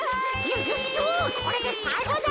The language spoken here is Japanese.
これでさいごだ。